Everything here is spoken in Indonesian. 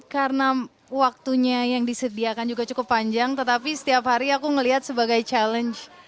karena waktunya yang disediakan juga cukup panjang tetapi setiap hari aku melihat sebagai challenge